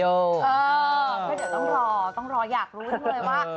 เออจะต้องรอต้องรออยากรู้เลยว่า